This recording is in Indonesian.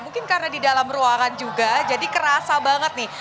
mungkin karena di dalam ruangan juga jadi kerasa banget nih